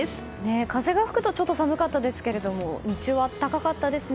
風が吹くとちょっと寒かったですけど日中は暖かかったですね。